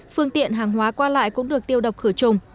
phương tiện hàng hóa qua lại cũng được tiêu độc khử trùng